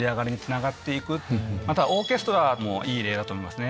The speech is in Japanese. またオーケストラもいい例だと思いますね。